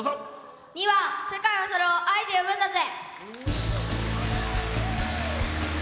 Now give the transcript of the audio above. ２番「世界はそれを愛と呼ぶんだぜ」。